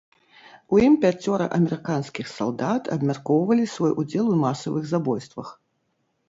У ім пяцёра амерыканскіх салдат абмяркоўвалі свой удзел у масавых забойствах.